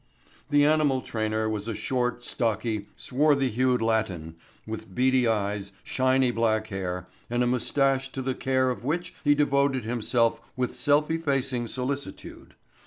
The animal trainer was a short, stocky, swarthy hued Latin with beady eyes, shiny black hair, and a moustache to the care of which he devoted himself with self effacing solicitude.